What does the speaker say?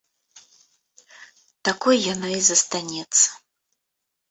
Такой яна і застанецца.